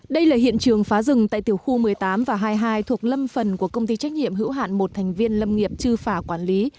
đây là hiện trường phá rừng tại tiểu khu một mươi tám và hai mươi hai thuộc lâm phần của công ty trách nhiệm hữu hạn một thành viên lâm nghiệp trư phả quản lý